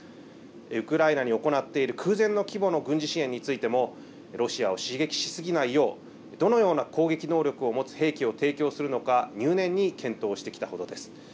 ウクライナに行っている空前の規模の軍事支援についてもロシアを刺激しすぎないようどのような攻撃能力を持った兵器を提供するのか入念に検討してきたほどです。